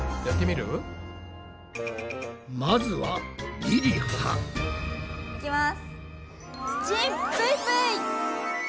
まずはりりは。いきます。